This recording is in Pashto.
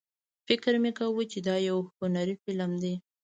فکر مې کاوه چې دا یو هنري فلم دی.